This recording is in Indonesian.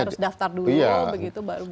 jadi harus daftar dulu begitu baru bisa